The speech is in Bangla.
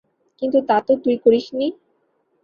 কিন্তু তা তো তুই করিসনি?